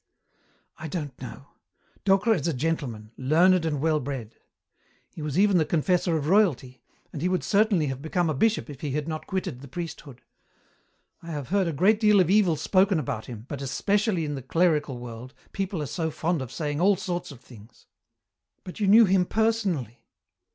"I don't know. Docre is a gentleman, learned and well bred. He was even the confessor of royalty, and he would certainly have become a bishop if he had not quitted the priesthood. I have heard a great deal of evil spoken about him, but, especially in the clerical world, people are so fond of saying all sorts of things." "But you knew him personally."